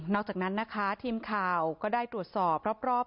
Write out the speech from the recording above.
อกจากนั้นนะคะทีมข่าวก็ได้ตรวจสอบรอบ